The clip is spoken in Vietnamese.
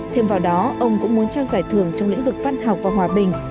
thêm vào đó ông cũng muốn trao giải thưởng trong lĩnh vực văn học và hòa bình